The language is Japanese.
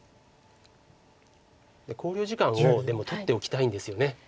考慮時間をでも取っておきたいんですよね。